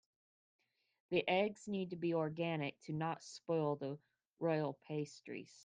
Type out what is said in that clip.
The eggs need to be organic to not spoil the royal pastries.